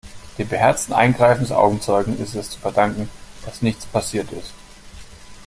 Dem beherzten Eingreifen des Augenzeugen ist es zu verdanken, dass nichts passiert ist.